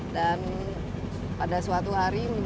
dan pada suatu hari